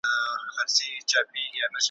په مایکروفون کي یې ویلی دی `